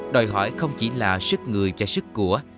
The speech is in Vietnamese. đòi hỏi không chỉ là sức người cho sức của